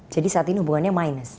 jadi saat ini hubungannya minus